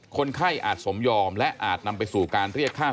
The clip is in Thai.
ร้องร้องร้องร้องร้องร้องร้อง